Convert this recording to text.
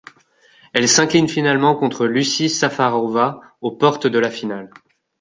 Elle s'incline finalement contre Lucie Šafářová aux portes de la finale.